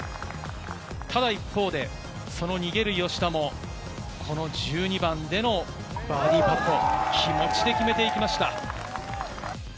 ただ一方で、逃げる吉田も、この１２番でのバーディーパット、気持ちで決めていきました。